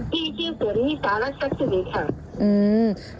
พี่ชื่อตัวนี้สารักษัตริย์ค่ะ